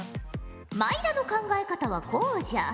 毎田の考え方はこうじゃ。